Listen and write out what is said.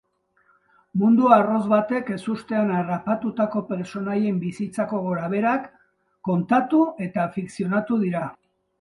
Mundu arrotz batek ezustean harrapatutako pertsonaien bizitzako gorabeherak kontatu eta fikzionatu dira.